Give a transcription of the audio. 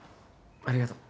ありがとう。